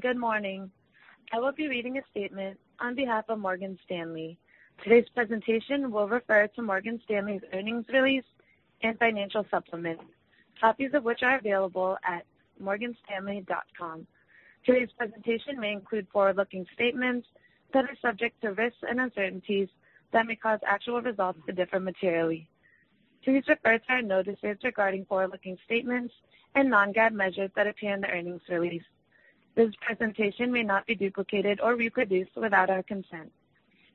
Good morning. I will be reading a statement on behalf of Morgan Stanley. Today's presentation will refer to Morgan Stanley's earnings release and financial supplement, copies of which are available at morganstanley.com. Today's presentation may include forward-looking statements that are subject to risks and uncertainties that may cause actual results to differ materially. Please refer to our notices regarding forward-looking statements and non-GAAP measures that appear in the earnings release. This presentation may not be duplicated or reproduced without our consent.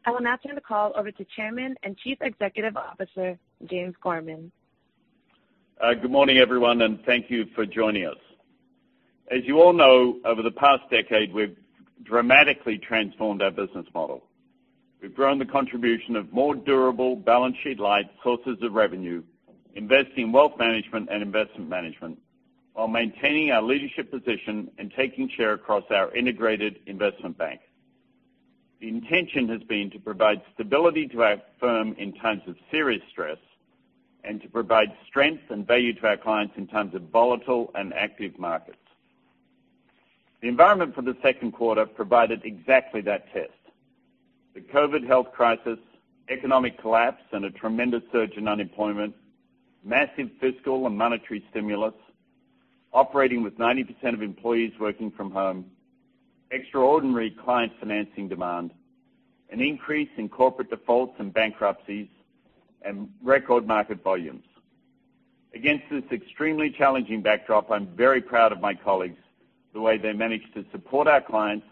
I will now turn the call over to Chairman and Chief Executive Officer, James Gorman. Good morning, everyone, and thank you for joining us. As you all know, over the past decade, we've dramatically transformed our business model. We've grown the contribution of more durable balance sheet light sources of revenue, investing wealth management and investment management, while maintaining our leadership position and taking share across our integrated investment bank. The intention has been to provide stability to our firm in times of serious stress and to provide strength and value to our clients in times of volatile and active markets. The environment for the second quarter provided exactly that test. The COVID health crisis, economic collapse, and a tremendous surge in unemployment, massive fiscal and monetary stimulus, operating with 90% of employees working from home, extraordinary client financing demand, an increase in corporate defaults and bankruptcies, and record market volumes. Against this extremely challenging backdrop, I'm very proud of my colleagues, the way they managed to support our clients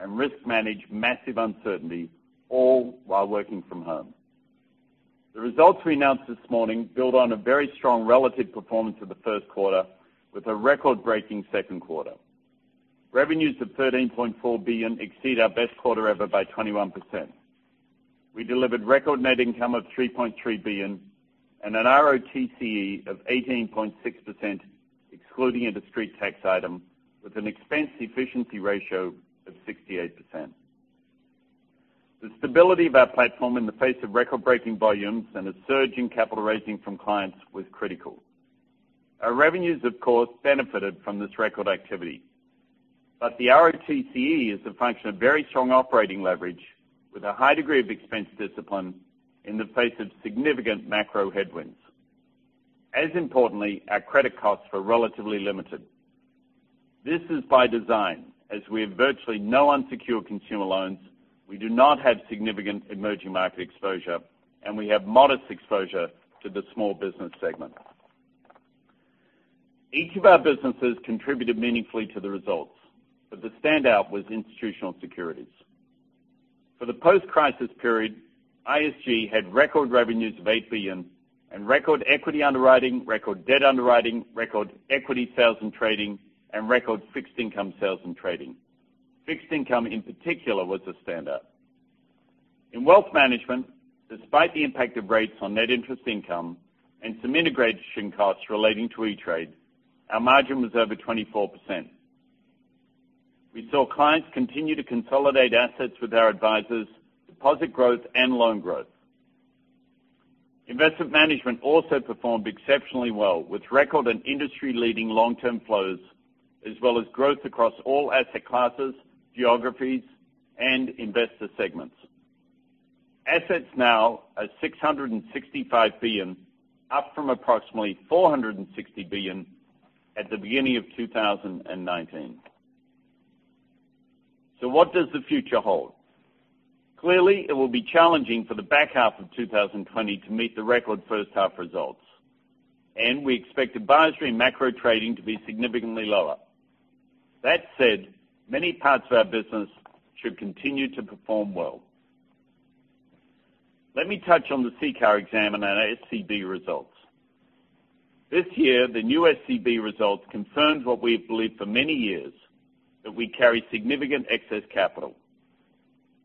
and risk manage massive uncertainty, all while working from home. The results we announced this morning build on a very strong relative performance of the first quarter with a record-breaking second quarter. Revenues of $13.4 billion exceed our best quarter ever by 21%. We delivered record net income of $3.3 billion and an ROTCE of 18.6%, excluding industry tax item, with an expense efficiency ratio of 68%. The stability of our platform in the face of record-breaking volumes and a surge in capital raising from clients was critical. Our revenues, of course, benefited from this record activity. The ROTCE is a function of very strong operating leverage with a high degree of expense discipline in the face of significant macro headwinds. As importantly, our credit costs were relatively limited. This is by design, as we have virtually no unsecured consumer loans, we do not have significant emerging market exposure, and we have modest exposure to the small business segment. Each of our businesses contributed meaningfully to the results, but the standout was Institutional Securities. For the post-crisis period, ISG had record revenues of $8 billion and record equity underwriting, record debt underwriting, record equity sales and trading, and record fixed income sales and trading. Fixed income, in particular, was a standout. In wealth management, despite the impact of rates on net interest income and some integration costs relating to E*TRADE, our margin was over 24%. We saw clients continue to consolidate assets with our advisors, deposit growth, and loan growth. Investment management also performed exceptionally well with record and industry-leading long-term flows, as well as growth across all asset classes, geographies, and investor segments. Assets now are $665 billion, up from approximately $460 billion at the beginning of 2019. What does the future hold? Clearly, it will be challenging for the back half of 2020 to meet the record first half results, and we expect advisory and macro trading to be significantly lower. That said, many parts of our business should continue to perform well. Let me touch on the CCAR exam and our SCB results. This year, the new SCB results confirmed what we have believed for many years, that we carry significant excess capital.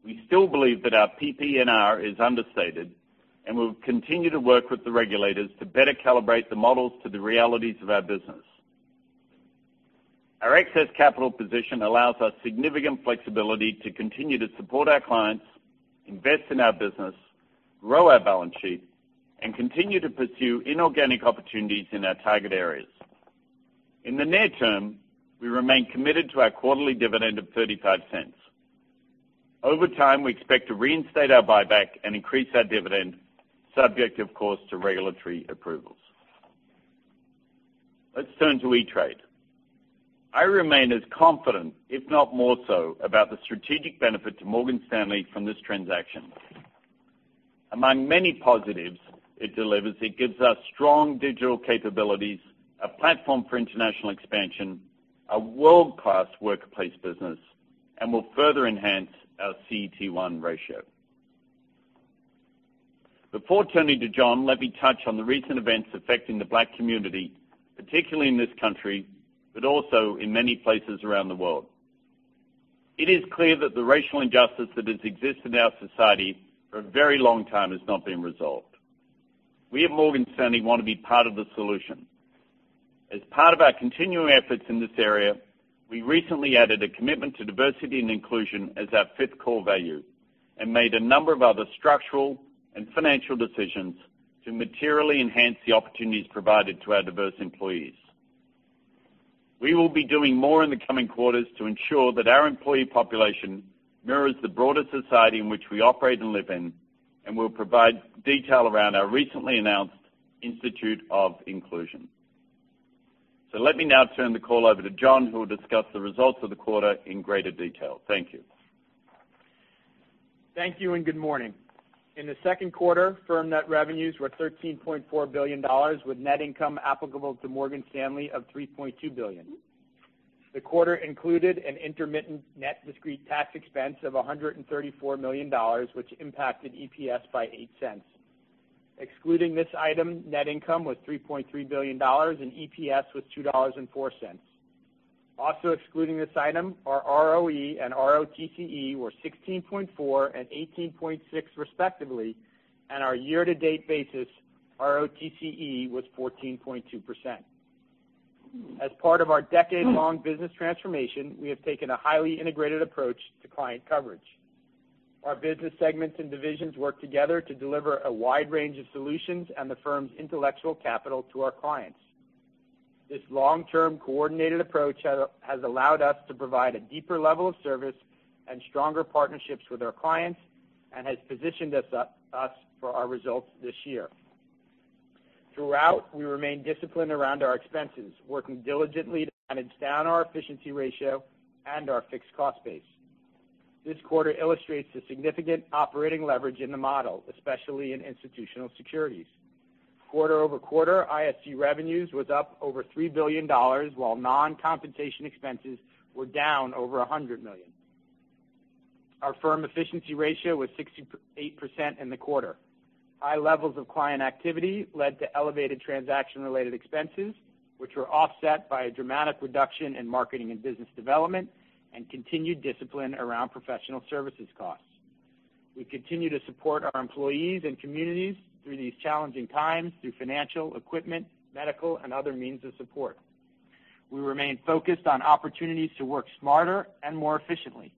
We still believe that our PPNR is understated and we will continue to work with the regulators to better calibrate the models to the realities of our business. Our excess capital position allows us significant flexibility to continue to support our clients, invest in our business, grow our balance sheet, and continue to pursue inorganic opportunities in our target areas. In the near term, we remain committed to our quarterly dividend of $0.35. Over time, we expect to reinstate our buyback and increase our dividend, subject, of course, to regulatory approvals. Let's turn to E*TRADE. I remain as confident, if not more so, about the strategic benefit to Morgan Stanley from this transaction. Among many positives it delivers, it gives us strong digital capabilities, a platform for international expansion, a world-class workplace business, and will further enhance our CET1 ratio. Before turning to John, let me touch on the recent events affecting the Black community, particularly in this country, but also in many places around the world. It is clear that the racial injustice that has existed in our society for a very long time has not been resolved. We at Morgan Stanley want to be part of the solution. As part of our continuing efforts in this area, we recently added a commitment to diversity and inclusion as our fifth core value. Made a number of other structural and financial decisions to materially enhance the opportunities provided to our diverse employees. We will be doing more in the coming quarters to ensure that our employee population mirrors the broader society in which we operate and live in, and we'll provide detail around our recently announced Institute for Inclusion. Let me now turn the call over to John, who will discuss the results of the quarter in greater detail. Thank you. Thank you, and good morning. In the second quarter, firm net revenues were $13.4 billion, with net income applicable to Morgan Stanley of $3.2 billion. The quarter included an intermittent net discrete tax expense of $134 million, which impacted EPS by $0.08. Excluding this item, net income was $3.3 billion, and EPS was $2.04. Also excluding this item, our ROE and ROTCE were 16.4% and 18.6% respectively, and our year-to-date basis ROTCE was 14.2%. As part of our decade-long business transformation, we have taken a highly integrated approach to client coverage. Our business segments and divisions work together to deliver a wide range of solutions and the firm's intellectual capital to our clients. This long-term, coordinated approach has allowed us to provide a deeper level of service and stronger partnerships with our clients and has positioned us for our results this year. Throughout, we remain disciplined around our expenses, working diligently to manage down our efficiency ratio and our fixed cost base. This quarter illustrates the significant operating leverage in the model, especially in Institutional Securities. Quarter-over-quarter, ISG revenues was up over $3 billion, while non-compensation expenses were down over $100 million. Our firm efficiency ratio was 68% in the quarter. High levels of client activity led to elevated transaction-related expenses, which were offset by a dramatic reduction in marketing and business development and continued discipline around professional services costs. We continue to support our employees and communities through these challenging times through financial, equipment, medical, and other means of support. We remain focused on opportunities to work smarter and more efficiently.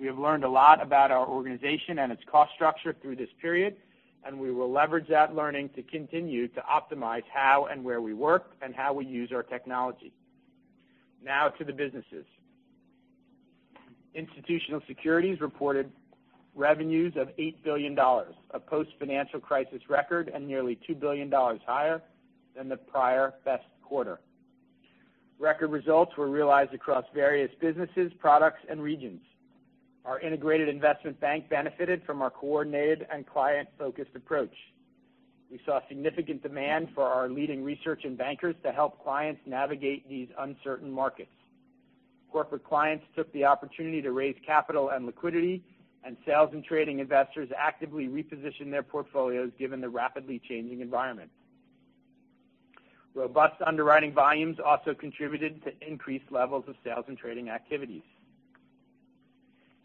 We have learned a lot about our organization and its cost structure through this period, and we will leverage that learning to continue to optimize how and where we work and how we use our technology. Now to the businesses. Institutional Securities reported revenues of $8 billion, a post-financial crisis record and nearly $2 billion higher than the prior best quarter. Record results were realized across various businesses, products, and regions. Our integrated investment bank benefited from our coordinated and client-focused approach. We saw significant demand for our leading research and bankers to help clients navigate these uncertain markets. Corporate clients took the opportunity to raise capital and liquidity, and sales and trading investors actively repositioned their portfolios given the rapidly changing environment. Robust underwriting volumes also contributed to increased levels of sales and trading activities.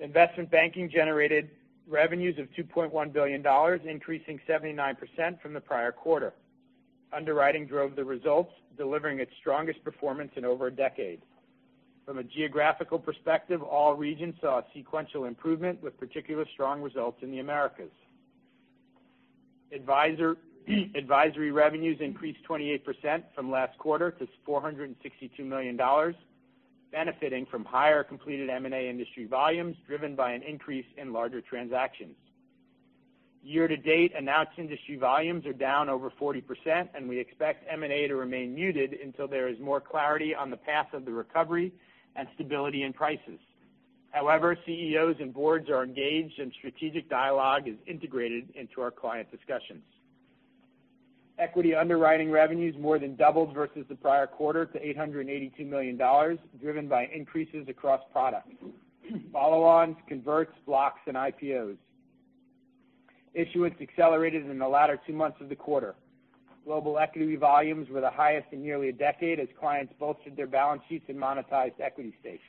Investment banking generated revenues of $2.1 billion, increasing 79% from the prior quarter. Underwriting drove the results, delivering its strongest performance in over a decade. From a geographical perspective, all regions saw a sequential improvement, with particularly strong results in the Americas. Advisory revenues increased 28% from last quarter to $462 million, benefiting from higher completed M&A industry volumes, driven by an increase in larger transactions. Year-to-date announced industry volumes are down over 40%, and we expect M&A to remain muted until there is more clarity on the path of the recovery and stability in prices. However, CEOs and boards are engaged and strategic dialogue is integrated into our client discussions. Equity underwriting revenues more than doubled versus the prior quarter to $882 million, driven by increases across products, follow-ons, converts, blocks, and IPOs. Issuance accelerated in the latter two months of the quarter. Global equity volumes were the highest in nearly a decade as clients bolstered their balance sheets and monetized equity stakes.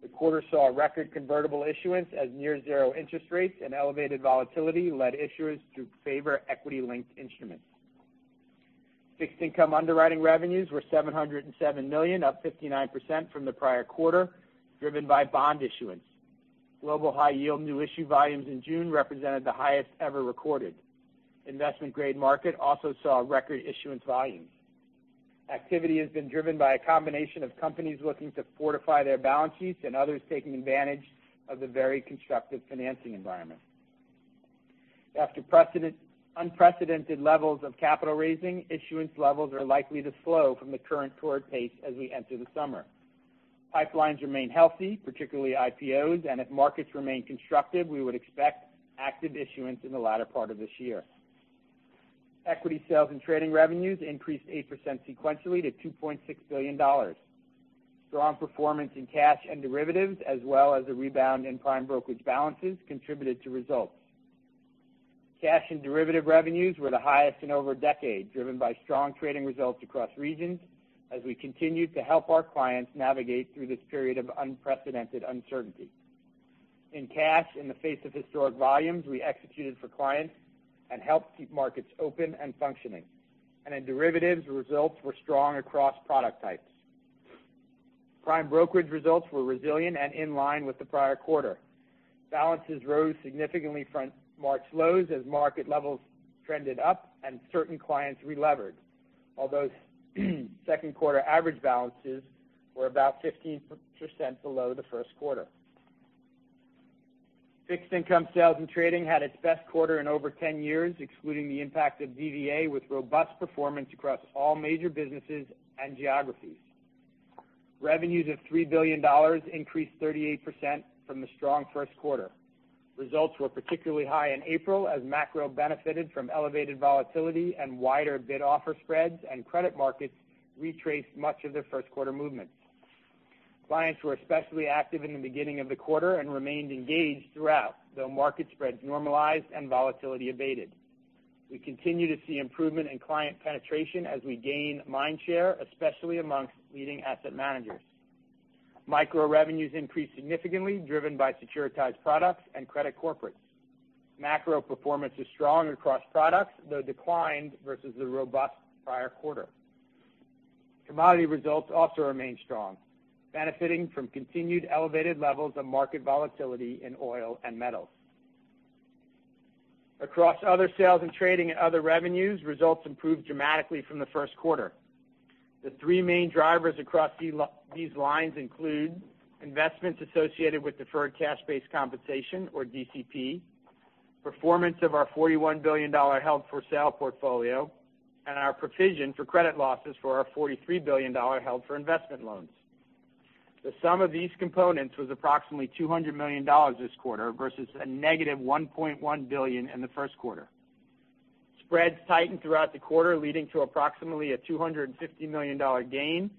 The quarter saw a record convertible issuance as near zero interest rates and elevated volatility led issuers to favor equity-linked instruments. Fixed income underwriting revenues were $707 million, up 59% from the prior quarter, driven by bond issuance. Global high yield new issue volumes in June represented the highest ever recorded. Investment-grade market also saw record issuance volumes. Activity has been driven by a combination of companies looking to fortify their balance sheets and others taking advantage of the very constructive financing environment. After unprecedented levels of capital raising, issuance levels are likely to slow from the current torrid pace as we enter the summer. If markets remain constructive, we would expect active issuance in the latter part of this year. Equity sales and trading revenues increased 8% sequentially to $2.6 billion. Strong performance in cash and derivatives, as well as a rebound in prime brokerage balances, contributed to results. Cash and derivative revenues were the highest in over a decade, driven by strong trading results across regions as we continued to help our clients navigate through this period of unprecedented uncertainty. In cash, in the face of historic volumes, we executed for clients and helped keep markets open and functioning. In derivatives, results were strong across product types. Prime brokerage results were resilient and in line with the prior quarter. Balances rose significantly from March lows as market levels trended up and certain clients relevered. Second quarter average balances were about 15% below the first quarter. Fixed income sales and trading had its best quarter in over 10 years, excluding the impact of DVA, with robust performance across all major businesses and geographies. Revenues of $3 billion increased 38% from the strong first quarter. Results were particularly high in April as macro benefited from elevated volatility and wider bid-offer spreads and credit markets retraced much of their first quarter movements. Clients were especially active in the beginning of the quarter and remained engaged throughout, though market spreads normalized and volatility abated. We continue to see improvement in client penetration as we gain mind share, especially amongst leading asset managers. micro revenues increased significantly, driven by securitized products and credit corporates. macro performance is strong across products, though declined versus the robust prior quarter. Commodity results also remain strong, benefiting from continued elevated levels of market volatility in oil and metals. Across other sales and trading and other revenues, results improved dramatically from the first quarter. The three main drivers across these lines include investments associated with Deferred Cash-Based Compensation or DCP, performance of our $41 billion held-for-sale portfolio, and our provision for credit losses for our $43 billion held-for-investment loans. The sum of these components was approximately $200 million this quarter versus a negative $1.1 billion in the first quarter. Spreads tightened throughout the quarter, leading to approximately a $250 million gain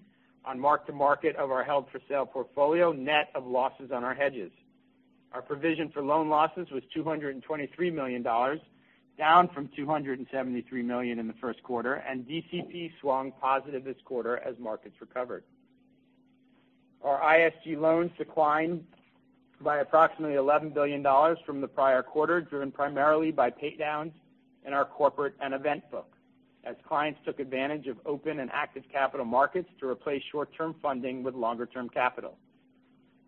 on mark-to-market of our held-for-sale portfolio, net of losses on our hedges. Our provision for loan losses was $223 million, down from $273 million in the first quarter, and DCP swung positive this quarter as markets recovered. Our ISG loans declined by approximately $11 billion from the prior quarter, driven primarily by pay downs in our corporate and event book, as clients took advantage of open and active capital markets to replace short-term funding with longer-term capital.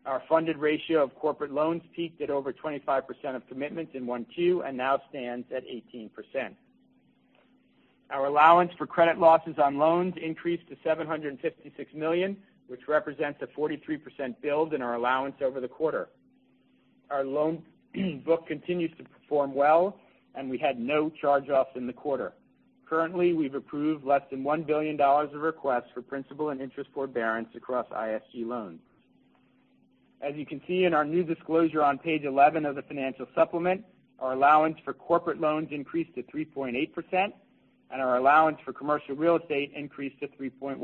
Our funded ratio of corporate loans peaked at over 25% of commitments in one Q and now stands at 18%. Our allowance for credit losses on loans increased to $756 million, which represents a 43% build in our allowance over the quarter. Our loan book continues to perform well, and we had no charge-offs in the quarter. Currently, we've approved less than $1 billion of requests for principal and interest forbearance across ISG loans. As you can see in our new disclosure on page 11 of the financial supplement, our allowance for corporate loans increased to 3.8% and our allowance for commercial real estate increased to 3.1%.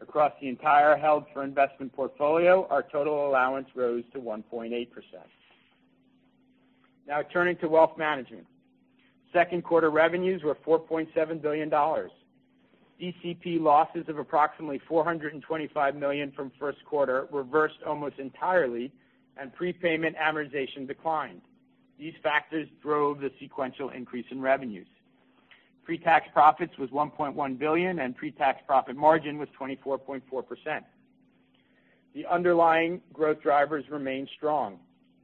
Across the entire held-for-investment portfolio, our total allowance rose to 1.8%. Turning to wealth management. Second quarter revenues were $4.7 billion. DCP losses of approximately $425 million from first quarter reversed almost entirely and prepayment amortization declined. These factors drove the sequential increase in revenues. Pre-tax profits was $1.1 billion, and pre-tax profit margin was 24.4%. The underlying growth drivers remain strong.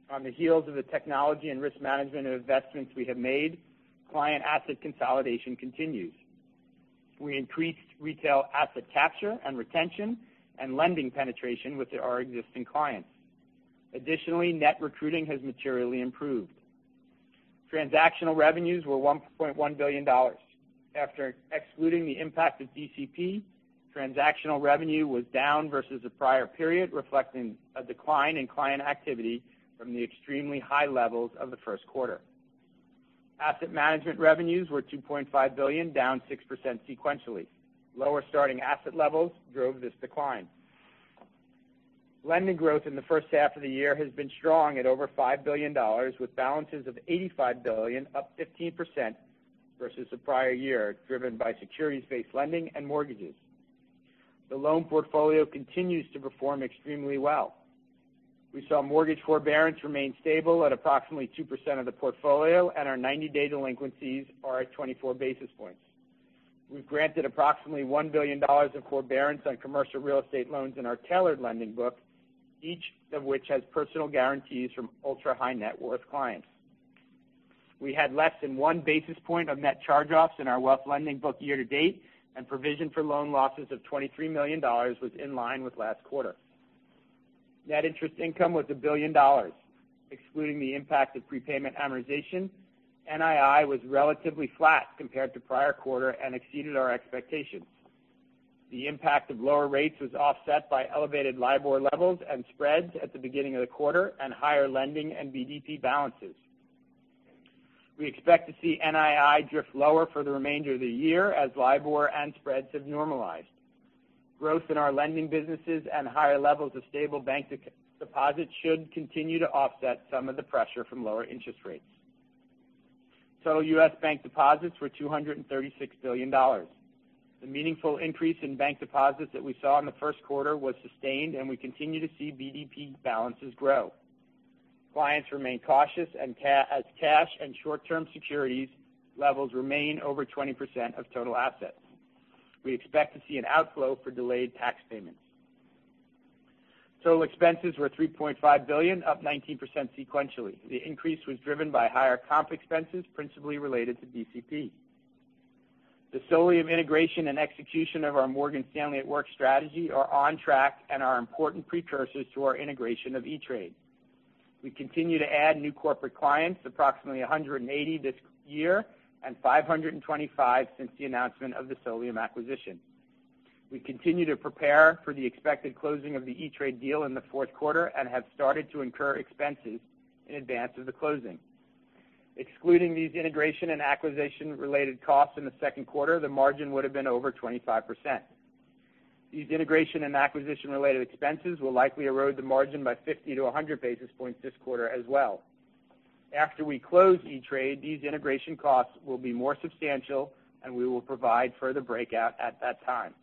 On the heels of the technology and risk management investments we have made, client asset consolidation continues. We increased retail asset capture and retention and lending penetration with our existing clients. Additionally, net recruiting has materially improved. Transactional revenues were $1.1 billion. After excluding the impact of DCP, transactional revenue was down versus the prior period, reflecting a decline in client activity from the extremely high levels of the first quarter. Asset management revenues were $2.5 billion, down 6% sequentially. Lower starting asset levels drove this decline. Lending growth in the first half of the year has been strong at over $5 billion, with balances of $85 billion up 15% versus the prior year, driven by securities-based lending and mortgages. The loan portfolio continues to perform extremely well. We saw mortgage forbearance remain stable at approximately 2% of the portfolio, and our 90-day delinquencies are at 24 basis points. We've granted approximately $1 billion of forbearance on commercial real estate loans in our tailored lending book, each of which has personal guarantees from ultra-high net worth clients. We had less than one basis point of net charge-offs in our wealth lending book year to date, and provision for loan losses of $23 million was in line with last quarter. Net interest income was $1 billion. Excluding the impact of prepayment amortization, NII was relatively flat compared to prior quarter and exceeded our expectations. The impact of lower rates was offset by elevated LIBOR levels and spreads at the beginning of the quarter and higher lending and BDP balances. We expect to see NII drift lower for the remainder of the year as LIBOR and spreads have normalized. Growth in our lending businesses and higher levels of stable bank deposits should continue to offset some of the pressure from lower interest rates. Total U.S. bank deposits were $236 billion. The meaningful increase in bank deposits that we saw in the first quarter was sustained, and we continue to see BDP balances grow. Clients remain cautious as cash and short-term securities levels remain over 20% of total assets. We expect to see an outflow for delayed tax payments. Total expenses were $3.5 billion, up 19% sequentially. The increase was driven by higher comp expenses, principally related to DCP. The Solium integration and execution of our Morgan Stanley at Work strategy are on track and are important precursors to our integration of E*TRADE. We continue to add new corporate clients, approximately 180 this year and 525 since the announcement of the Solium acquisition. We continue to prepare for the expected closing of the E*TRADE deal in the fourth quarter and have started to incur expenses in advance of the closing. Excluding these integration and acquisition-related costs in the second quarter, the margin would have been over 25%. These integration and acquisition-related expenses will likely erode the margin by 50 to 100 basis points this quarter as well. After we close E*TRADE, these integration costs will be more substantial, and we will provide further breakout at that time.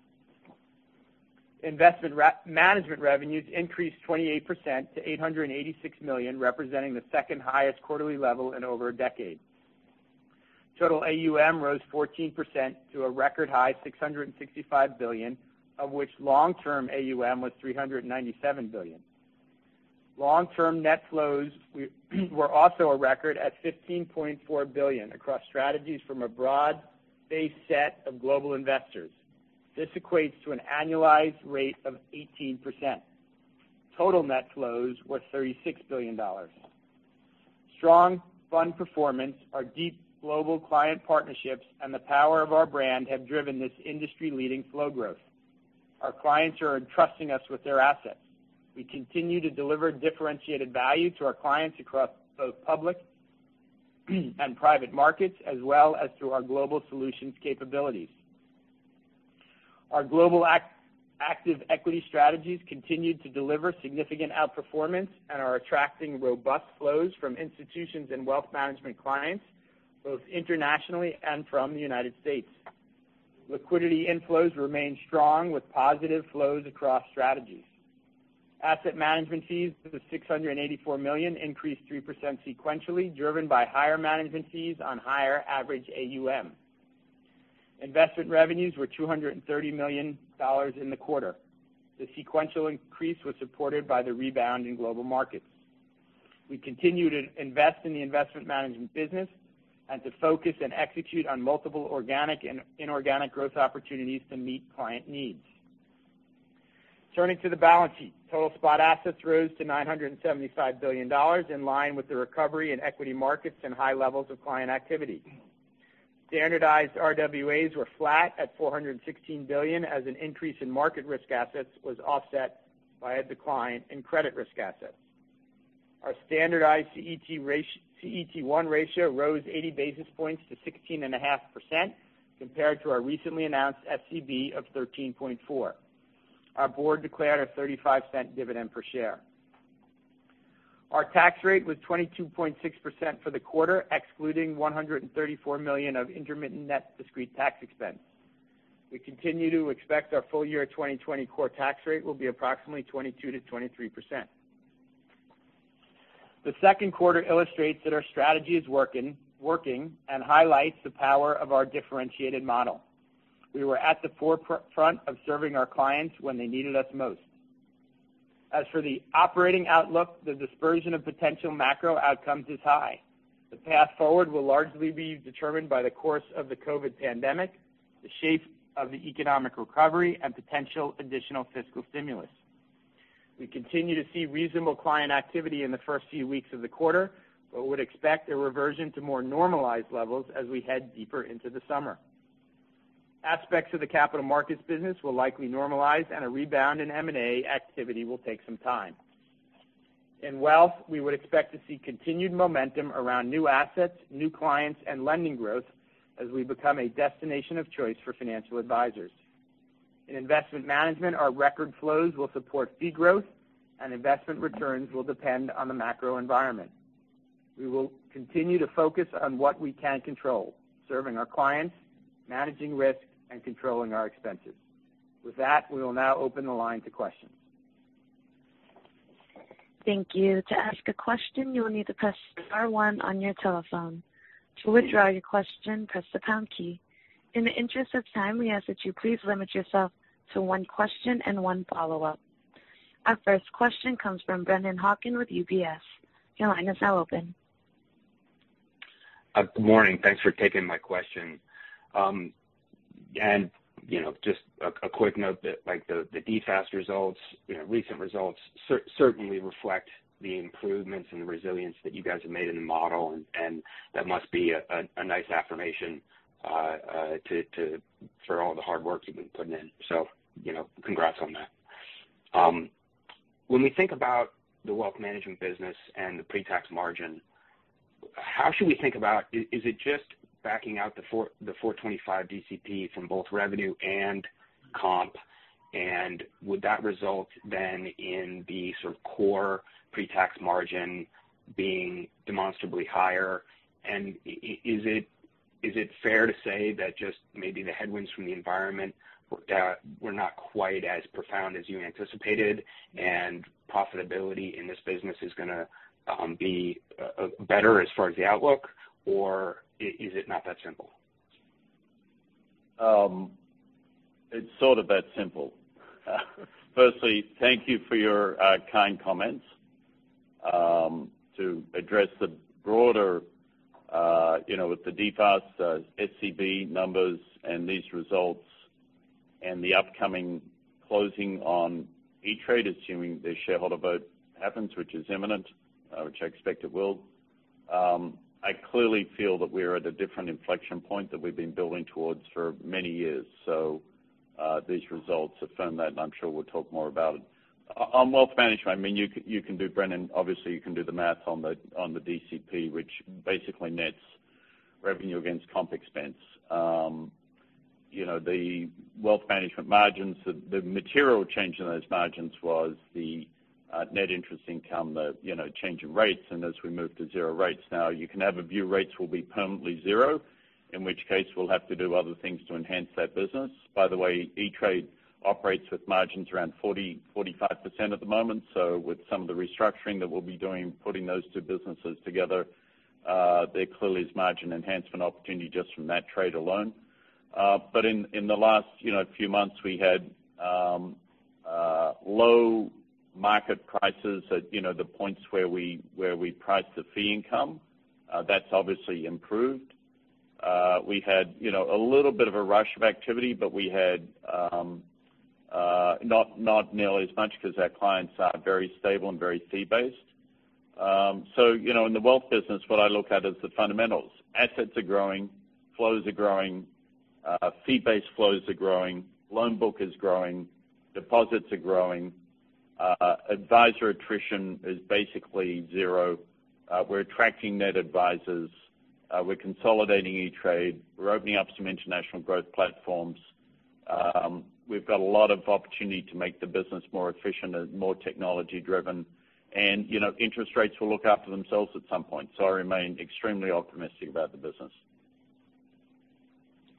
Investment management revenues increased 28% to $886 million, representing the second highest quarterly level in over a decade. Total AUM rose 14% to a record high $665 billion, of which long-term AUM was $397 billion. Long-term net flows were also a record at $15.4 billion across strategies from a broad base set of global investors. This equates to an annualized rate of 18%. Total net flows were $36 billion. Strong fund performance, our deep global client partnerships, and the power of our brand have driven this industry-leading flow growth. Our clients are entrusting us with their assets. We continue to deliver differentiated value to our clients across both public and private markets, as well as through our global solutions capabilities. Our global active equity strategies continued to deliver significant outperformance and are attracting robust flows from institutions and wealth management clients, both internationally and from the United States. Liquidity inflows remain strong, with positive flows across strategies. Asset management fees to the $684 million increased 3% sequentially, driven by higher management fees on higher average AUM. Investment revenues were $230 million in the quarter. The sequential increase was supported by the rebound in global markets. We continue to invest in the investment management business and to focus and execute on multiple organic and inorganic growth opportunities to meet client needs. Turning to the balance sheet, total spot assets rose to $975 billion, in line with the recovery in equity markets and high levels of client activity. Standardized RWAs were flat at $416 billion as an increase in market risk assets was offset by a decline in credit risk assets. Our standardized CET1 ratio rose 80 basis points to 16.5%, compared to our recently announced SCB of 13.4%. Our board declared a $0.35 dividend per share. Our tax rate was 22.6% for the quarter, excluding $134 million of intermittent net discrete tax expense. We continue to expect our full year 2020 core tax rate will be approximately 22%-23%. The second quarter illustrates that our strategy is working and highlights the power of our differentiated model. We were at the forefront of serving our clients when they needed us most. As for the operating outlook, the dispersion of potential macro outcomes is high. The path forward will largely be determined by the course of the COVID pandemic, the shape of the economic recovery, and potential additional fiscal stimulus. We continue to see reasonable client activity in the first few weeks of the quarter, but would expect a reversion to more normalized levels as we head deeper into the summer. Aspects of the capital markets business will likely normalize, and a rebound in M&A activity will take some time. In wealth, we would expect to see continued momentum around new assets, new clients, and lending growth as we become a destination of choice for financial advisors. In investment management, our record flows will support fee growth and investment returns will depend on the macro environment. We will continue to focus on what we can control, serving our clients, managing risk, and controlling our expenses. With that, we will now open the line to questions. Thank you. To ask a question, you will need to press star 1 on your telephone. To withdraw your question, press the pound key. In the interest of time, we ask that you please limit yourself to 1 question and 1 follow-up. Our first question comes from Brennan Hawken with UBS. Your line is now open. Good morning. Thanks for taking my question. Just a quick note that the DFAST results, recent results, certainly reflect the improvements and the resilience that you guys have made in the model, and that must be a nice affirmation for all the hard work you've been putting in. Congrats on that. When we think about the Wealth Management business and the pretax margin, how should we think about Is it just backing out the 425 DCP from both revenue and comp? Would that result then in the sort of core pretax margin being demonstrably higher? Is it fair to say that just maybe the headwinds from the environment worked out were not quite as profound as you anticipated, and profitability in this business is going to be better as far as the outlook, or is it not that simple? It's sort of that simple. Firstly, thank you for your kind comments. To address the broader, with the DFAST SCB numbers and these results and the upcoming closing on E*TRADE, assuming the shareholder vote happens, which is imminent, which I expect it will. I clearly feel that we are at a different inflection point that we've been building towards for many years. These results affirm that, and I'm sure we'll talk more about it. On wealth management, Brennan, obviously you can do the math on the DCP, which basically nets revenue against comp expense. The wealth management margins, the material change in those margins was the net interest income, the change in rates. As we move to zero rates now, you can have a view rates will be permanently zero, in which case, we'll have to do other things to enhance that business. By the way, E*TRADE operates with margins around 40%-45% at the moment. With some of the restructuring that we'll be doing, putting those two businesses together, there clearly is margin enhancement opportunity just from that trade alone. In the last few months we had low market prices at the points where we priced the fee income. That's obviously improved. We had a little bit of a rush of activity, but we had not nearly as much because our clients are very stable and very fee based. In the wealth business, what I look at is the fundamentals. Assets are growing, flows are growing, fee-based flows are growing, loan book is growing, deposits are growing. Advisor attrition is basically zero. We're attracting net advisors. We're consolidating E*TRADE. We're opening up some international growth platforms. We've got a lot of opportunity to make the business more efficient and more technology driven. Interest rates will look after themselves at some point. I remain extremely optimistic about the business.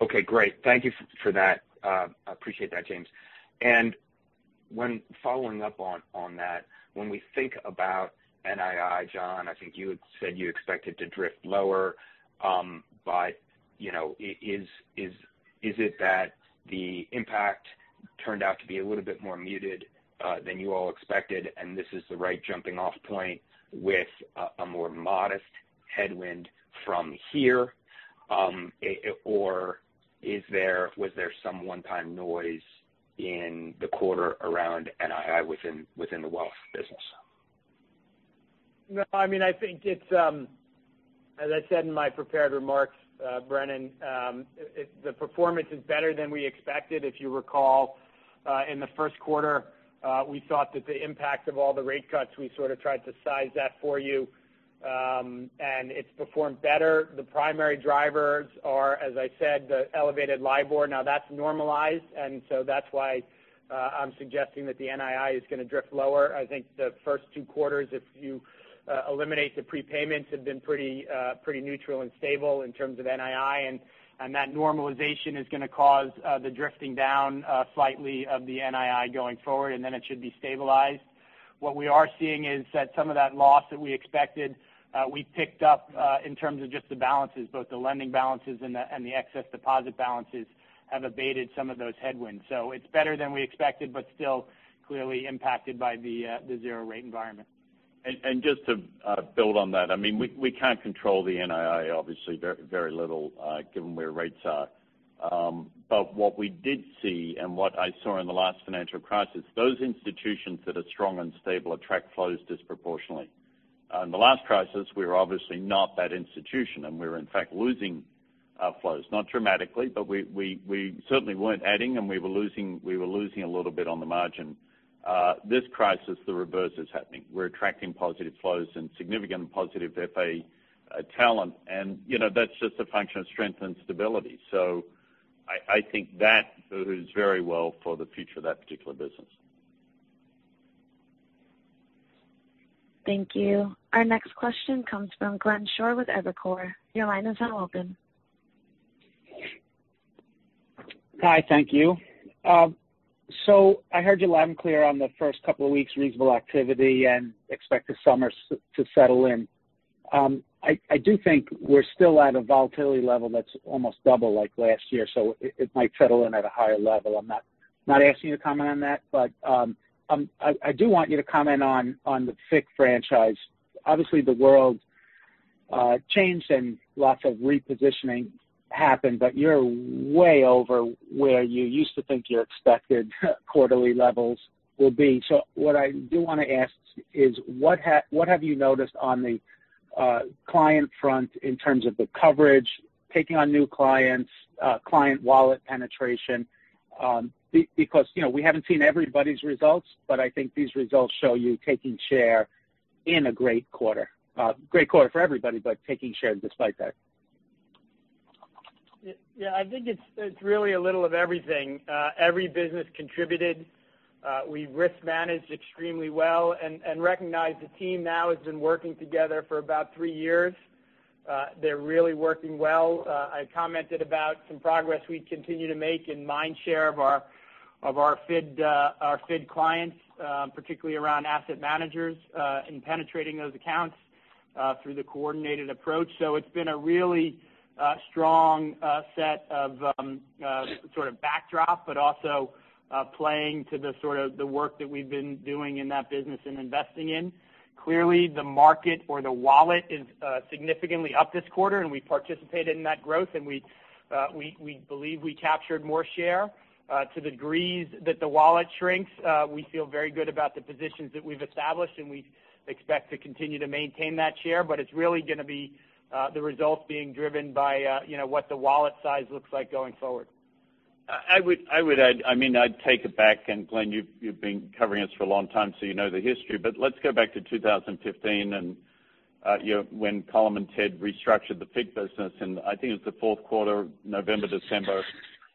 Okay, great. Thank you for that. I appreciate that, James. When following up on that, when we think about NII, John, I think you had said you expect it to drift lower. Is it that the impact turned out to be a little bit more muted than you all expected, and this is the right jumping-off point with a more modest headwind from here? Was there some one-time noise in the quarter around NII within the wealth business? No, as I said in my prepared remarks, Brennan, the performance is better than we expected. If you recall, in the first quarter, we thought that the impact of all the rate cuts, we sort of tried to size that for you, and it's performed better. The primary drivers are, as I said, the elevated LIBOR. That's normalized, that's why I'm suggesting that the NII is going to drift lower. I think the first two quarters, if you eliminate the prepayments, have been pretty neutral and stable in terms of NII. That normalization is going to cause the drifting down slightly of the NII going forward, then it should be stabilized. What we are seeing is that some of that loss that we expected, we picked up in terms of just the balances, both the lending balances and the excess deposit balances have abated some of those headwinds. It's better than we expected, but still clearly impacted by the zero rate environment. Just to build on that, we can't control the NII, obviously very little given where rates are. What we did see and what I saw in the last financial crisis, those institutions that are strong and stable attract flows disproportionately. In the last crisis, we were obviously not that institution, and we were in fact losing flows. Not dramatically, but we certainly weren't adding, and we were losing a little bit on the margin. This crisis, the reverse is happening. We're attracting positive flows and significant positive FA talent. That's just a function of strength and stability. I think that bodes very well for the future of that particular business. Thank you. Our next question comes from Glenn Schorr with Evercore. Your line is now open. Hi. Thank you. I heard you loud and clear on the first couple of weeks, reasonable activity, and expect the summer to settle in. I do think we're still at a volatility level that's almost double like last year, so it might settle in at a higher level. I'm not asking you to comment on that. I do want you to comment on the FICC franchise. Obviously, the world changed and lots of repositioning happened, but you're way over where you used to think your expected quarterly levels will be. What I do want to ask is what have you noticed on the client front in terms of the coverage, taking on new clients, client wallet penetration? We haven't seen everybody's results, but I think these results show you taking share in a great quarter. A great quarter for everybody, but taking share despite that. Yeah, I think it's really a little of everything. Every business contributed. We risk managed extremely well and recognize the team now has been working together for about three years. They're really working well. I commented about some progress we continue to make in mind share of our FID clients, particularly around asset managers, in penetrating those accounts through the coordinated approach. It's been a really strong set of sort of backdrop, but also playing to the sort of the work that we've been doing in that business and investing in. Clearly, the market or the wallet is significantly up this quarter, and we participated in that growth, and we believe we captured more share. To the degree that the wallet shrinks, we feel very good about the positions that we've established, and we expect to continue to maintain that share. It's really going to be the results being driven by what the wallet size looks like going forward. I would add, I'd take it back. Glenn, you've been covering us for a long time, you know the history. Let's go back to 2015 when Colm and Ted restructured the FICC business. I think it was the fourth quarter, November, December.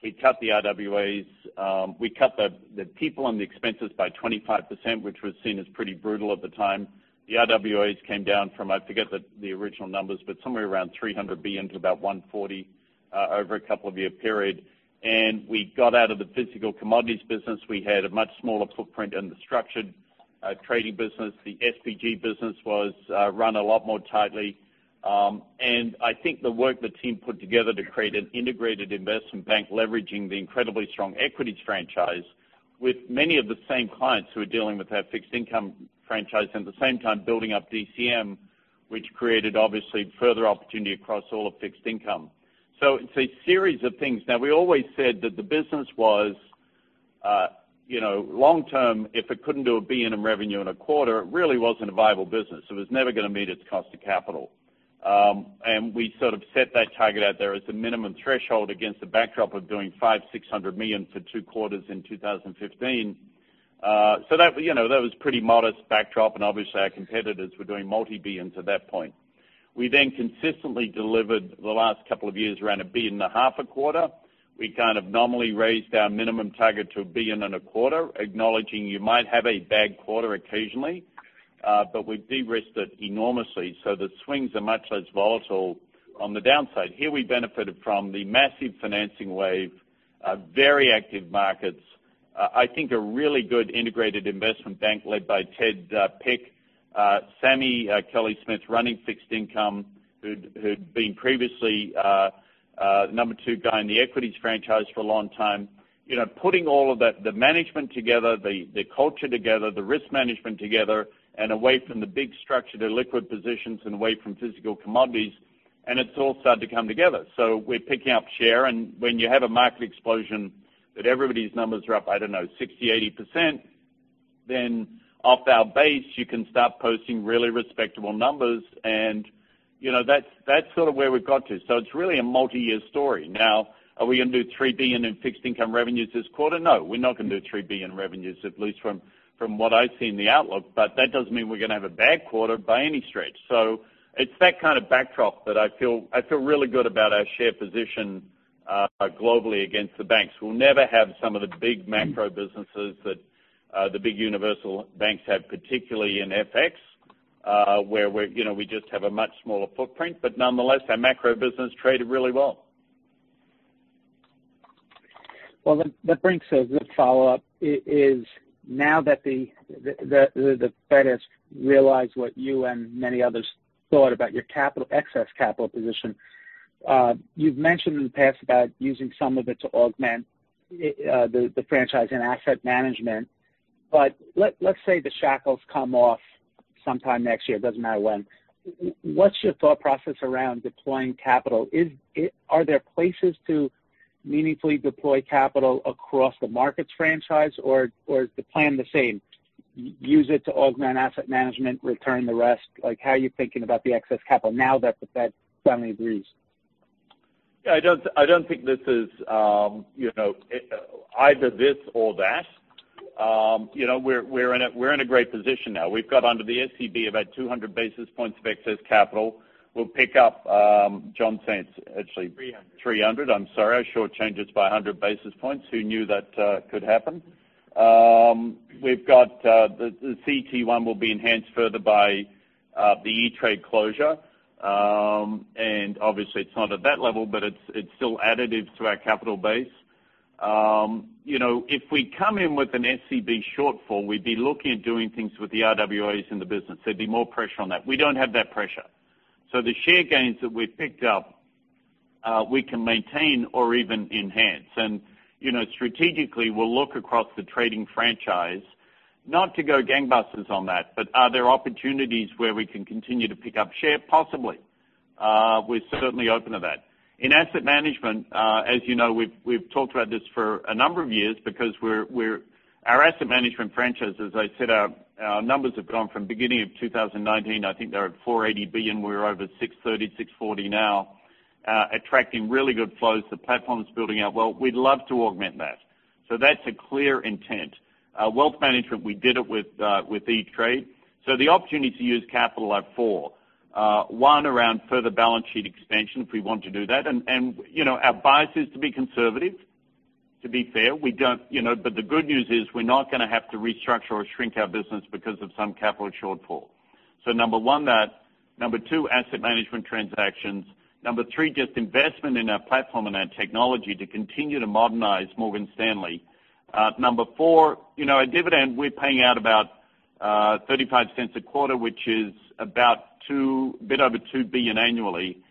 We cut the RWAs. We cut the people on the expenses by 25%, which was seen as pretty brutal at the time. The RWAs came down from, I forget the original numbers, somewhere around $300 billion into about $140 billion over a couple of year period. We got out of the physical commodities business. We had a much smaller footprint in the structured trading business. The SPG business was run a lot more tightly. I think the work the team put together to create an integrated investment bank leveraging the incredibly strong equities franchise with many of the same clients who are dealing with our fixed income franchise, at the same time building up DCM, which created obviously further opportunity across all of fixed income. It's a series of things. We always said that the business was long-term, if it couldn't do $1 billion in revenue in a quarter, it really wasn't a viable business. It was never going to meet its cost of capital. We sort of set that target out there as a minimum threshold against the backdrop of doing $500 million, $600 million for two quarters in 2015. That was pretty modest backdrop, and obviously our competitors were doing multi-billions at that point. We consistently delivered the last couple of years around a billion and a half a quarter. We kind of nominally raised our minimum target to a billion and a quarter, acknowledging you might have a bad quarter occasionally. We've de-risked it enormously, the swings are much less volatile on the downside. Here we benefited from the massive financing wave, very active markets. I think a really good integrated investment bank led by Ted Pick, Sam Kellie-Smith running Fixed Income, who'd been previously number two guy in the equities franchise for a long time. Putting all of the management together, the culture together, the risk management together, and away from the big structure to liquid positions and away from physical commodities, and it's all started to come together. We're picking up share. When you have a market explosion that everybody's numbers are up, I don't know, 60%, 80%, then off our base, you can start posting really respectable numbers. That's sort of where we've got to. It's really a multi-year story. Now, are we going to do $3 billion in fixed income revenues this quarter? No, we're not going to do $3 billion revenues, at least from what I see in the outlook. That doesn't mean we're going to have a bad quarter by any stretch. It's that kind of backdrop that I feel really good about our share position globally against the banks. We'll never have some of the big macro businesses that the big universal banks have, particularly in FX where we just have a much smaller footprint. Nonetheless, our macro business traded really well. Well, that brings a good follow-up is now that the Fed has realized what you and many others thought about your excess capital position. You've mentioned in the past about using some of it to augment the franchise and asset management. Let's say the shackles come off sometime next year, it doesn't matter when. What's your thought process around deploying capital? Are there places to meaningfully deploy capital across the markets franchise, or is the plan the same? Use it to augment asset management, return the rest. How are you thinking about the excess capital now that the Fed finally agrees? I don't think this is either this or that. We're in a great position now. We've got under the SCB about 200 basis points of excess capital. We'll pick up, John's saying it's actually. 300. 300. I'm sorry. I short change it by 100 basis points. Who knew that could happen? The CET1 will be enhanced further by the E*TRADE closure. Obviously it's not at that level, but it's still additive to our capital base. If we come in with an SCB shortfall, we'd be looking at doing things with the RWAs in the business. There'd be more pressure on that. We don't have that pressure. The share gains that we've picked up, we can maintain or even enhance. Strategically, we'll look across the trading franchise. Not to go gangbusters on that, but are there opportunities where we can continue to pick up share? Possibly. We're certainly open to that. In asset management, as you know, we've talked about this for a number of years because our asset management franchise, as I said, our numbers have gone from beginning of 2019, I think they were at $480 billion. We're over $630 billion, $640 billion now, attracting really good flows. The platform is building out well. That's a clear intent. Wealth management, we did it with E*TRADE. The opportunity to use capital at four. One, around further balance sheet expansion, if we want to do that. Our bias is to be conservative, to be fair. The good news is we're not going to have to restructure or shrink our business because of some capital shortfall. Number one, that. Number two, asset management transactions. Number three, just investment in our platform and our technology to continue to modernize Morgan Stanley. Number 4, our dividend, we're paying out about $0.35 a quarter, which is about a bit over $2 billion annually.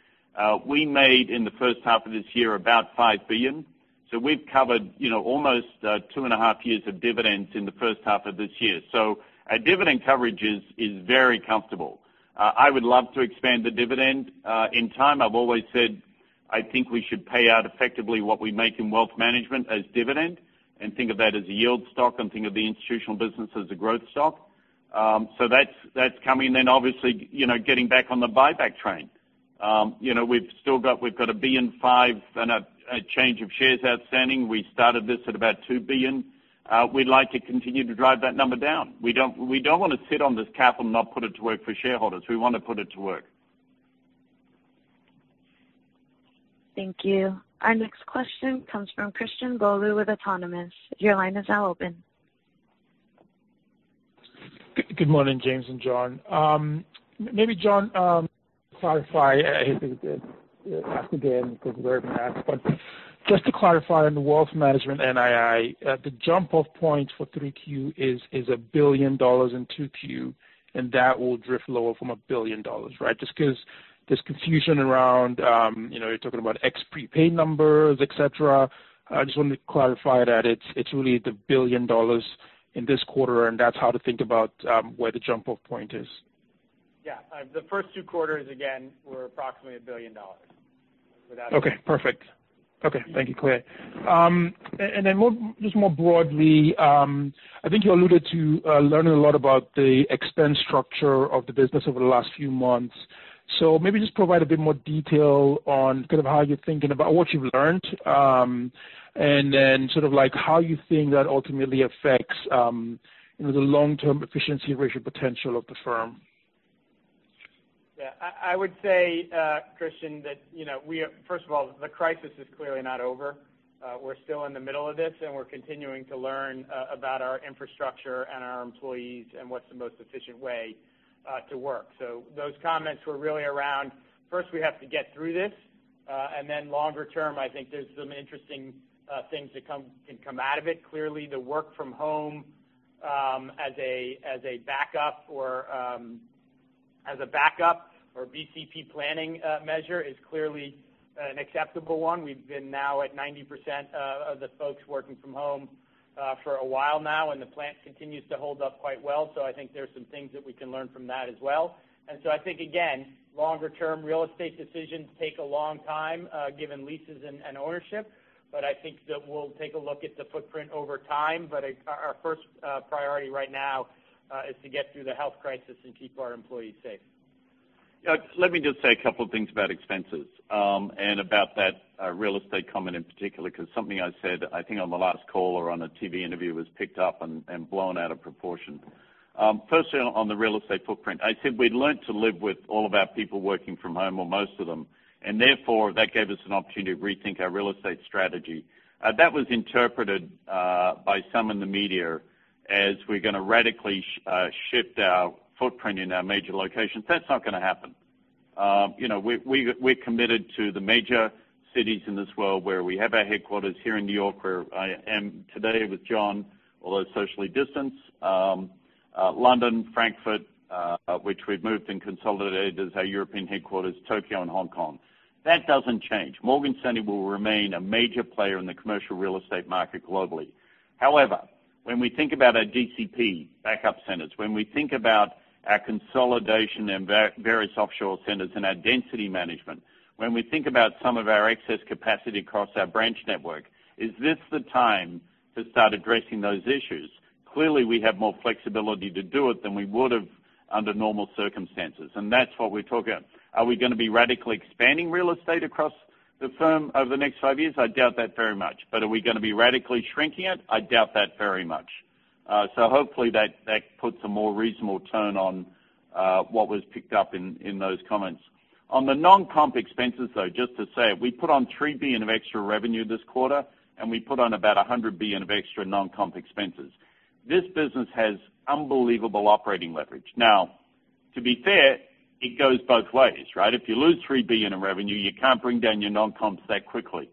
We made, in the first half of this year, about $5 billion. We've covered almost 2.5 years of dividends in the first half of this year. Our dividend coverage is very comfortable. I would love to expand the dividend. In time, I've always said, I think we should pay out effectively what we make in Wealth Management as dividend, and think of that as a yield stock, and think of the Institutional Business as a growth stock. That's coming. Obviously, getting back on the buyback train. We've got $1.5 billion and a change of shares outstanding. We started this at about $2 billion. We'd like to continue to drive that number down. We don't want to sit on this capital and not put it to work for shareholders. We want to put it to work. Thank you. Our next question comes from Christian Bolu with Autonomous. Your line is now open. Good morning, James and John. Maybe John, clarify, I think ask again because we're being asked. Just to clarify on the Wealth Management NII, the jump-off point for 3Q is $1 billion in 2Q, and that will drift lower from $1 billion, right? Just because there's confusion around, you're talking about ex prepaid numbers, et cetera. I just wanted to clarify that it's really the $1 billion in this quarter, and that's how to think about where the jump-off point is. Yeah. The first two quarters, again, were approximately $1 billion. Okay, perfect. Okay, thank you. Clear. Then just more broadly, I think you alluded to learning a lot about the expense structure of the business over the last few months. Maybe just provide a bit more detail on kind of how you're thinking about what you've learned, and then sort of how you think that ultimately affects the long-term efficiency ratio potential of the firm. Yeah. I would say, Christian, that first of all, the crisis is clearly not over. We're still in the middle of this, and we're continuing to learn about our infrastructure and our employees and what's the most efficient way to work. Those comments were really around, first we have to get through this. Longer term, I think there's some interesting things that can come out of it. Clearly, the work from home as a backup or BCP planning measure is clearly an acceptable one. We've been now at 90% of the folks working from home for a while now, and the plan continues to hold up quite well. I think there's some things that we can learn from that as well. I think, again, longer term real estate decisions take a long time, given leases and ownership. I think that we'll take a look at the footprint over time. Our first priority right now is to get through the health crisis and keep our employees safe. Let me just say a couple things about expenses, and about that real estate comment in particular, because something I said, I think on the last call or on a TV interview, was picked up and blown out of proportion. Firstly, on the real estate footprint, I said we'd learned to live with all of our people working from home, or most of them. Therefore, that gave us an opportunity to rethink our real estate strategy. That was interpreted by some in the media as we're going to radically shift our footprint in our major locations. That's not going to happen. We're committed to the major cities in this world where we have our headquarters here in New York, where I am today with John, although socially distanced. London, Frankfurt, which we've moved and consolidated as our European headquarters, Tokyo and Hong Kong. That doesn't change. Morgan Stanley will remain a major player in the commercial real estate market globally. When we think about our DCP backup centers, when we think about our consolidation in various offshore centers and our density management, when we think about some of our excess capacity across our branch network, is this the time to start addressing those issues? Clearly, we have more flexibility to do it than we would have under normal circumstances, and that's what we're talking about. Are we going to be radically expanding real estate across the firm over the next five years? I doubt that very much. Are we going to be radically shrinking it? I doubt that very much. Hopefully, that puts a more reasonable tone on what was picked up in those comments. On the non-comp expenses, though, just to say, we put on $3 billion of extra revenue this quarter, and we put on about $100 billion of extra non-comp expenses. This business has unbelievable operating leverage. Now, to be fair, it goes both ways, right? If you lose $3 billion in revenue, you can't bring down your non-comps that quickly.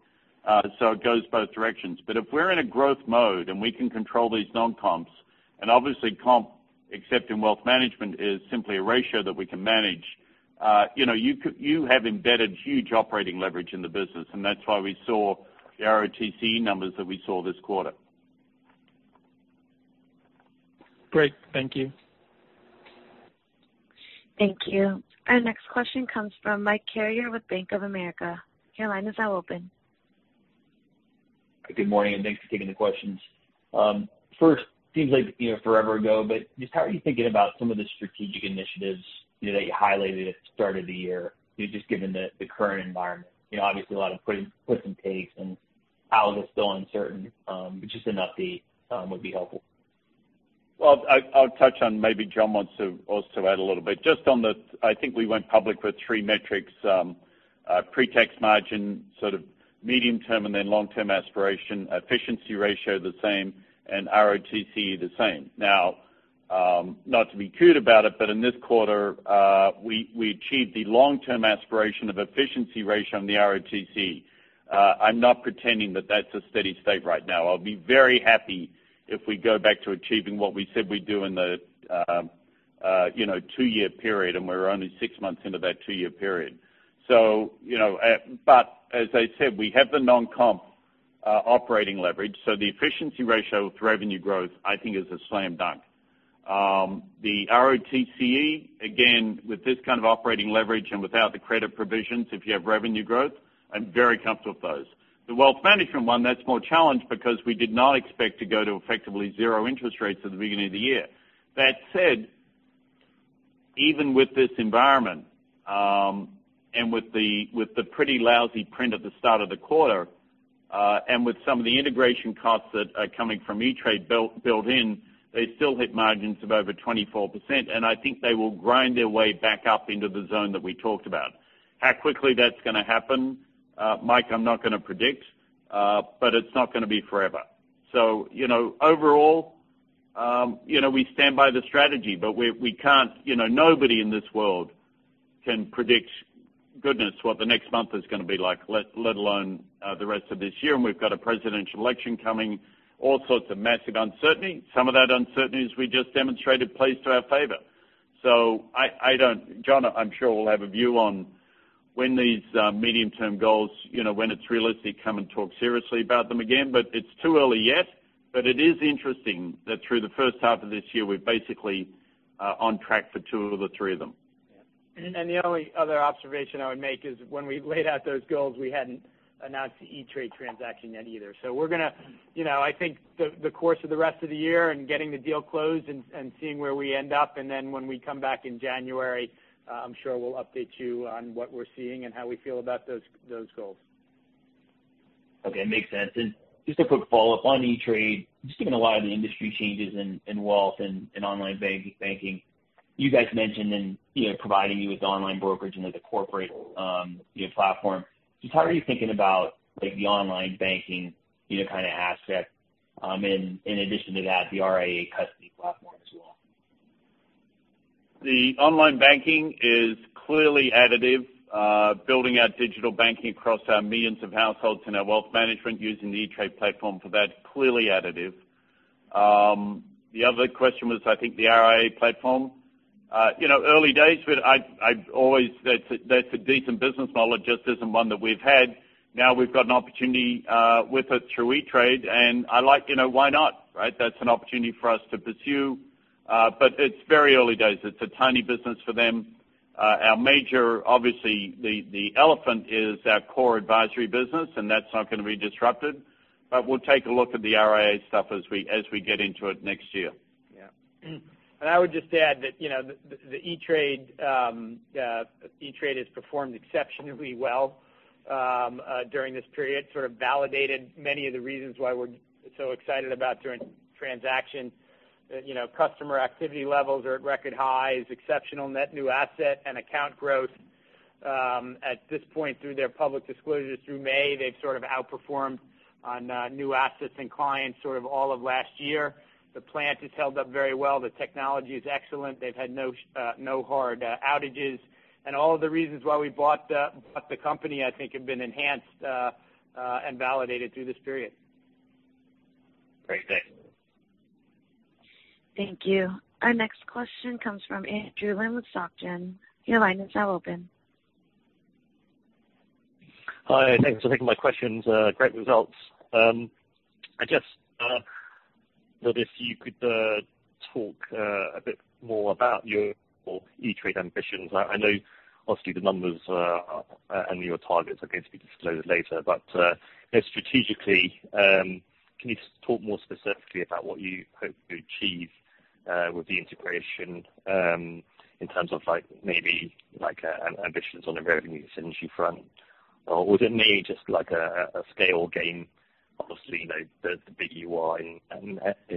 It goes both directions. If we're in a growth mode and we can control these non-comps, and obviously comp, except in wealth management, is simply a ratio that we can manage. You have embedded huge operating leverage in the business, and that's why we saw the ROTCE numbers that we saw this quarter. Great. Thank you. Thank you. Our next question comes from Mike Carrier with Bank of America. Your line is now open. Good morning, and thanks for taking the questions. First, seems like forever ago, but just how are you thinking about some of the strategic initiatives that you highlighted at the start of the year, just given the current environment? Obviously, a lot of puts and takes and how this is still uncertain. Just an update would be helpful. Well, I'll touch on, maybe John wants to also add a little bit. Just on the, I think we went public with three metrics. Pre-tax margin, sort of medium term, and then long-term aspiration, efficiency ratio the same, and ROTCE the same. In this quarter, we achieved the long-term aspiration of efficiency ratio on the ROTCE. I'm not pretending that that's a steady state right now. I'll be very happy if we go back to achieving what we said we'd do in the two-year period, and we're only six months into that two-year period. As I said, we have the non-comp operating leverage. The efficiency ratio with revenue growth, I think is a slam dunk. The ROTCE, again, with this kind of operating leverage and without the credit provisions, if you have revenue growth, I'm very comfortable with those. The wealth management one, that's more challenged because we did not expect to go to effectively zero interest rates at the beginning of the year. That said, even with this environment, and with the pretty lousy print at the start of the quarter, and with some of the integration costs that are coming from E*TRADE built in, they still hit margins of over 24%, and I think they will grind their way back up into the zone that we talked about. How quickly that's going to happen, Mike, I'm not going to predict, but it's not going to be forever. Overall, we stand by the strategy, but we can't, nobody in this world can predict, goodness, what the next month is going to be like, let alone the rest of this year. We've got a presidential election coming, all sorts of massive uncertainty. Some of that uncertainty, as we just demonstrated, plays to our favor. John, I'm sure, will have a view on when these medium-term goals, when it's realistic, come and talk seriously about them again. It's too early yet. It is interesting that through the first half of this year, we're basically on track for two of the three of them. Yeah. The only other observation I would make is when we laid out those goals, we hadn't announced the E*TRADE transaction yet either. We're going to, I think, the course of the rest of the year and getting the deal closed and seeing where we end up, and then when we come back in January, I'm sure we'll update you on what we're seeing and how we feel about those goals. Okay, makes sense. Just a quick follow-up on E*TRADE. Just given a lot of the industry changes in wealth and in online banking. You guys mentioned in providing you with the online brokerage and the corporate platform. Just how are you thinking about the online banking kind of asset, in addition to that, the RIA custody platform as well? The online banking is clearly additive. Building out digital banking across our millions of households in our wealth management using the E*TRADE platform for that, clearly additive. The other question was, I think the RIA platform. Early days, that's a decent business model. It just isn't one that we've had. Now we've got an opportunity with it through E*TRADE, why not, right? That's an opportunity for us to pursue. It's very early days. It's a tiny business for them. Our major, obviously, the elephant is our core advisory business, that's not going to be disrupted. We'll take a look at the RIA stuff as we get into it next year. Yeah. I would just add that the E*TRADE has performed exceptionally well during this period, sort of validated many of the reasons why we're so excited about doing the transaction. Customer activity levels are at record highs, exceptional net new asset and account growth. At this point through their public disclosures through May, they've sort of outperformed on new assets and clients sort of all of last year. The plan has held up very well. The technology is excellent. They've had no hard outages. All of the reasons why we bought the company, I think, have been enhanced and validated through this period. Great. Thanks. Thank you. Our next question comes from Andrew Lim with Societe Generale. Your line is now open. Hi, thanks for taking my questions. Great results. I just wonder if you could talk a bit more about your E*TRADE ambitions. I know obviously the numbers and your targets are going to be disclosed later, but strategically, can you talk more specifically about what you hope to achieve with the integration, in terms of maybe ambitions on the revenue synergy front? Was it mainly just like a scale game, obviously, the big you are in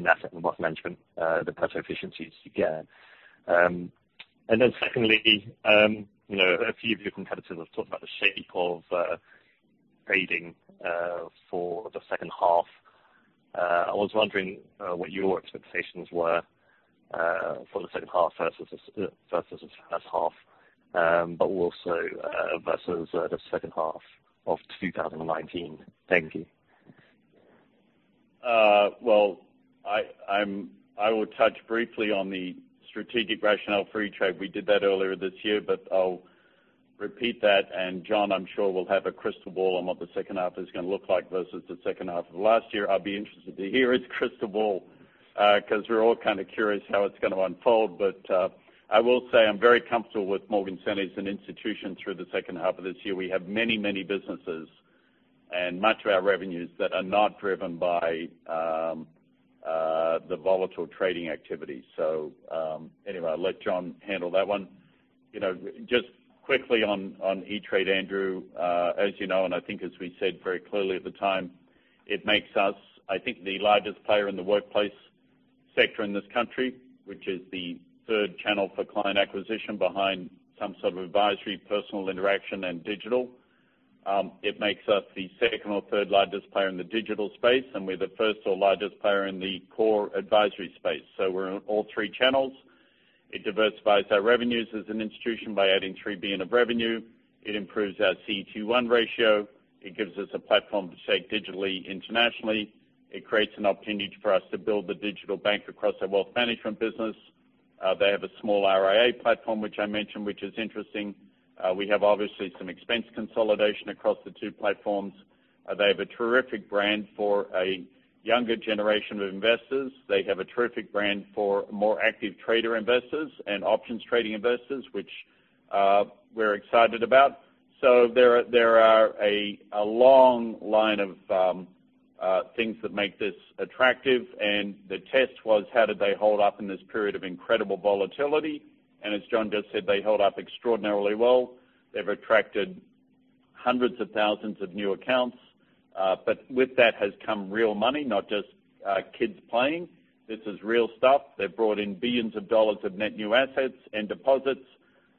asset and wealth management, the potential efficiencies you get. Secondly, a few of your competitors have talked about the shape of trading for the second half. I was wondering what your expectations were for the second half versus the first half, but also versus the second half of 2019. Thank you. I will touch briefly on the strategic rationale for E*TRADE. We did that earlier this year, but I'll repeat that. John, I'm sure, will have a crystal ball on what the second half is going to look like versus the second half of last year. I'll be interested to hear his crystal ball because we're all kind of curious how it's going to unfold. I will say I'm very comfortable with Morgan Stanley as an institution through the second half of this year. We have many, many businesses and much of our revenues that are not driven by the volatile trading activities. I'll let John handle that one. Just quickly on E*TRADE, Andrew. As you know, and I think as we said very clearly at the time, it makes us, I think, the largest player in the workplace sector in this country, which is the third channel for client acquisition behind some sort of advisory, personal interaction, and digital. It makes us the second or third largest player in the digital space, and we're the first or largest player in the core advisory space. It diversifies our revenues as an institution by adding $3 billion of revenue. It improves our CET1 ratio. It gives us a platform to state digitally, internationally. It creates an opportunity for us to build the digital bank across our wealth management business. They have a small RIA platform, which I mentioned, which is interesting. We have obviously some expense consolidation across the two platforms. They have a terrific brand for a younger generation of investors. They have a terrific brand for more active trader investors and options trading investors, which we're excited about. There are a long line of things that make this attractive, and the test was how did they hold up in this period of incredible volatility? As John just said, they held up extraordinarily well. They've attracted hundreds of thousands of new accounts. With that has come real money, not just kids playing. This is real stuff. They've brought in billions of dollars of net new assets and deposits.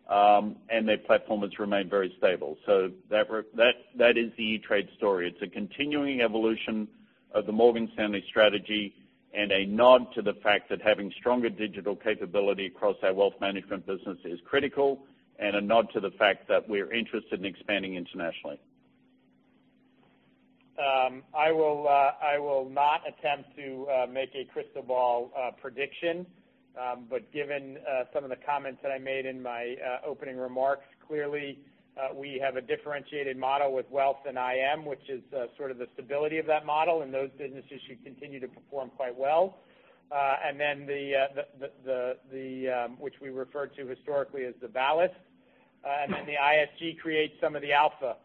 Their platform has remained very stable. That is the E*TRADE story. It's a continuing evolution of the Morgan Stanley strategy and a nod to the fact that having stronger digital capability across our wealth management business is critical, and a nod to the fact that we're interested in expanding internationally. I will not attempt to make a crystal ball prediction. Given some of the comments that I made in my opening remarks, clearly, we have a differentiated model with Wealth and IM, which is sort of the stability of that model, and those businesses should continue to perform quite well. Then, which we refer to historically as the ballast. Then the ISG creates some of the alpha.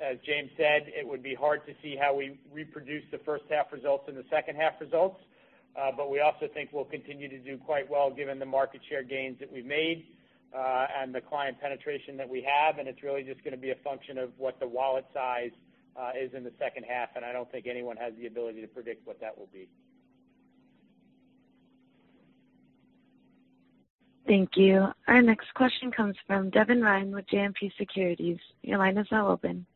As James said, it would be hard to see how we reproduce the first half results and the second half results. We also think we'll continue to do quite well given the market share gains that we've made, and the client penetration that we have, and it's really just going to be a function of what the wallet size is in the second half, and I don't think anyone has the ability to predict what that will be. Thank you. Our next question comes from Devin Ryan with JMP Securities. Your line is now open.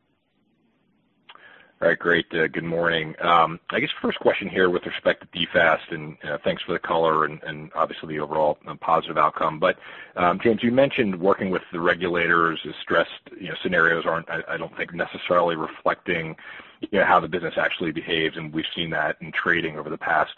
All right, great. Good morning. I guess first question here with respect to DFAST, thanks for the color and obviously the overall positive outcome. James, you mentioned working with the regulators as stressed scenarios aren't, I don't think, necessarily reflecting how the business actually behaves, and we've seen that in trading over the past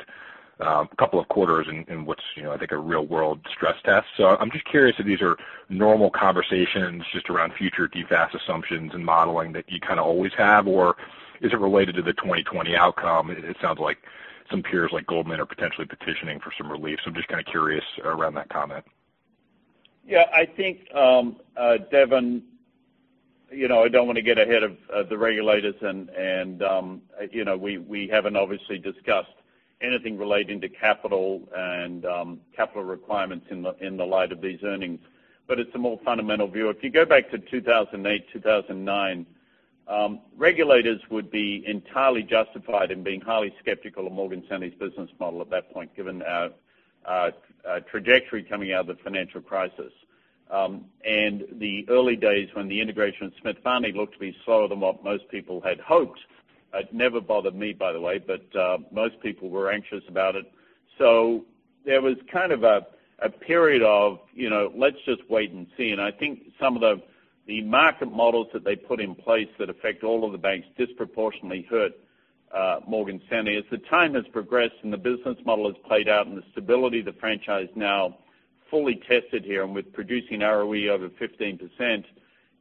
couple of quarters in what's I think a real-world stress test. I'm just curious if these are normal conversations just around future DFAST assumptions and modeling that you kind of always have, or is it related to the 2020 outcome? It sounds like some peers like Goldman are potentially petitioning for some relief. I'm just kind of curious around that comment. Yeah. I think, Devin, I don't want to get ahead of the regulators, and we haven't obviously discussed anything relating to capital and capital requirements in the light of these earnings. It's a more fundamental view. If you go back to 2008, 2009, regulators would be entirely justified in being highly skeptical of Morgan Stanley's business model at that point, given our trajectory coming out of the financial crisis. The early days when the integration with Smith Barney looked to be slower than what most people had hoped. It never bothered me, by the way, but most people were anxious about it. There was kind of a period of let's just wait and see. I think some of the market models that they put in place that affect all of the banks disproportionately hurt Morgan Stanley. As the time has progressed and the business model has played out and the stability of the franchise now fully tested here, and with producing ROE over 15%,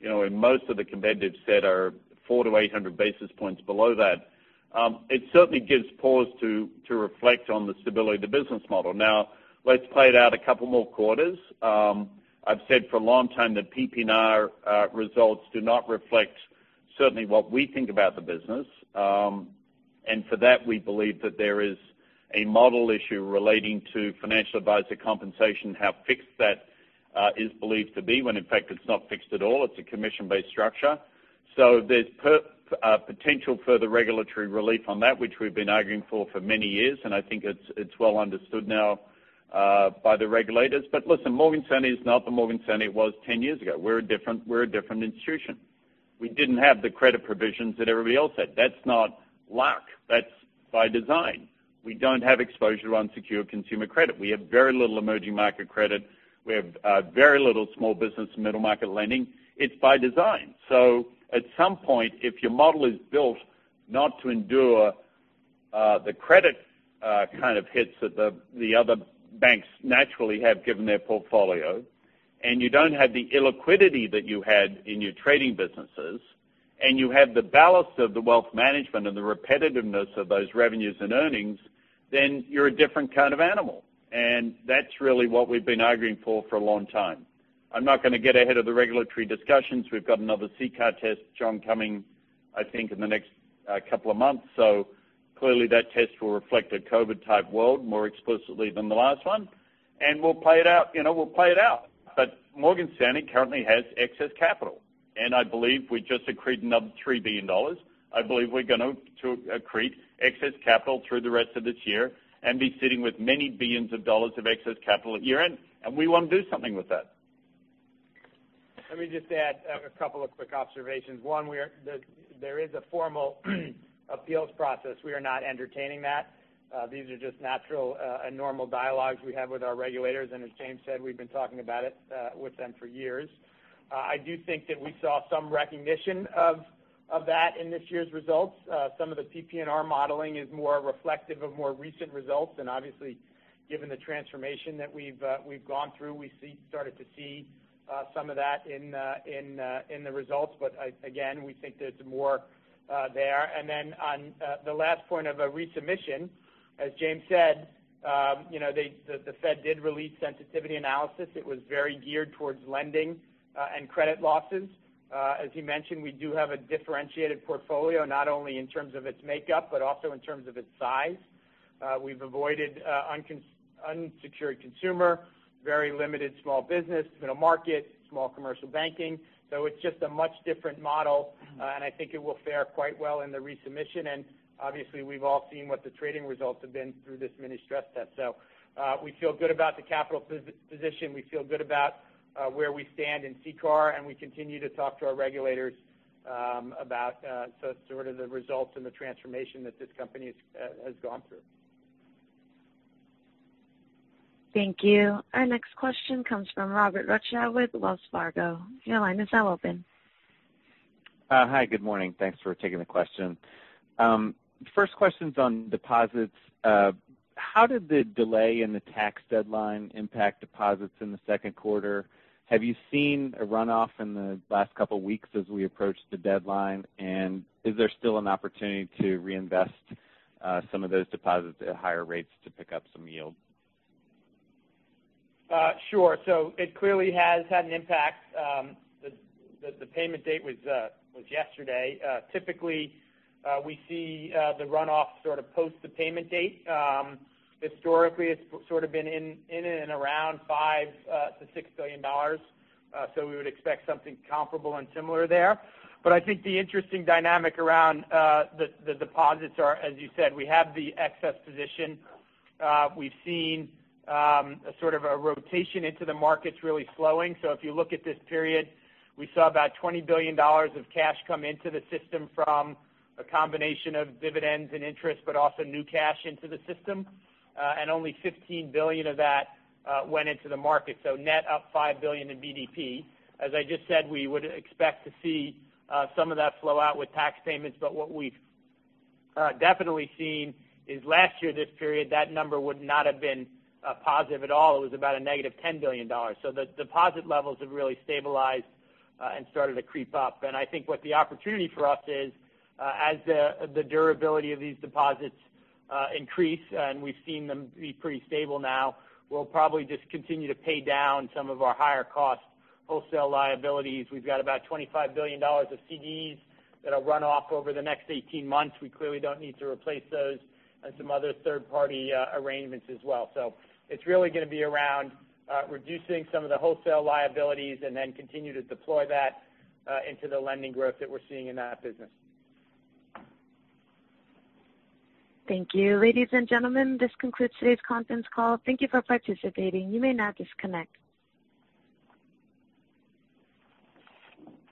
when most of the competitive set are 400 to 800 basis points below that. It certainly gives pause to reflect on the stability of the business model. Let's play it out a couple more quarters. I've said for a long time that PPNR results do not reflect certainly what we think about the business. For that, we believe that there is a model issue relating to financial advisor compensation, how fixed that is believed to be, when in fact it's not fixed at all. It's a commission-based structure. There's potential further regulatory relief on that, which we've been arguing for many years, and I think it's well understood now by the regulators. Listen, Morgan Stanley is not the Morgan Stanley it was 10 years ago. We're a different institution. We didn't have the credit provisions that everybody else had. That's not luck. That's by design. We don't have exposure to unsecured consumer credit. We have very little emerging market credit. We have very little small business and middle market lending. It's by design. At some point, if your model is built not to endure the credit kind of hits that the other banks naturally have given their portfolio, and you don't have the illiquidity that you had in your trading businesses, and you have the ballast of the wealth management and the repetitiveness of those revenues and earnings, then you're a different kind of animal. That's really what we've been arguing for a long time. I'm not going to get ahead of the regulatory discussions. We've got another CCAR test, John, coming, I think in the next couple of months. Clearly that test will reflect a COVID type world more explicitly than the last one, and we'll play it out. Morgan Stanley currently has excess capital, and I believe we just accreted another $3 billion. I believe we're going to accrete excess capital through the rest of this year and be sitting with many billions of dollars of excess capital at year-end, and we want to do something with that. Let me just add a couple of quick observations. One, there is a formal appeals process. We are not entertaining that. These are just natural and normal dialogues we have with our regulators. As James said, we've been talking about it with them for years. I do think that we saw some recognition of that in this year's results. Some of the PPNR modeling is more reflective of more recent results. Obviously, given the transformation that we've gone through, we started to see some of that in the results. Again, we think there's more there. Then on the last point of a resubmission, as James said the Fed did release sensitivity analysis. It was very geared towards lending and credit losses. As he mentioned, we do have a differentiated portfolio, not only in terms of its makeup, but also in terms of its size. We've avoided unsecured consumer, very limited small business, middle market, small commercial banking. It's just a much different model, and I think it will fare quite well in the resubmission. Obviously, we've all seen what the trading results have been through this mini stress test. We feel good about the capital position. We feel good about where we stand in CCAR, and we continue to talk to our regulators about sort of the results and the transformation that this company has gone through. Thank you. Our next question comes from Robert Rutschow with Wells Fargo. Your line is now open. Hi, good morning. Thanks for taking the question. First question's on deposits. How did the delay in the tax deadline impact deposits in the second quarter? Have you seen a runoff in the last couple of weeks as we approached the deadline? Is there still an opportunity to reinvest some of those deposits at higher rates to pick up some yield? Sure. It clearly has had an impact. The payment date was yesterday. Typically, we see the runoff sort of post the payment date. Historically, it's sort of been in and around $5 billion-$6 billion. We would expect something comparable and similar there. I think the interesting dynamic around the deposits are, as you said, we have the excess position. We've seen sort of a rotation into the markets really slowing. If you look at this period, we saw about $20 billion of cash come into the system from a combination of dividends and interest, but also new cash into the system. Only $15 billion of that went into the market. Net up $5 billion in BDP. As I just said, we would expect to see some of that flow out with tax payments. What we've definitely seen is last year this period, that number would not have been positive at all. It was about a negative $10 billion. The deposit levels have really stabilized and started to creep up. I think what the opportunity for us is as the durability of these deposits increase, and we've seen them be pretty stable now, we'll probably just continue to pay down some of our higher cost wholesale liabilities. We've got about $25 billion of CDs that'll run off over the next 18 months. We clearly don't need to replace those and some other third-party arrangements as well. It's really going to be around reducing some of the wholesale liabilities and then continue to deploy that into the lending growth that we're seeing in that business. Thank you. Ladies and gentlemen, this concludes today's conference call. Thank you for participating. You may now disconnect.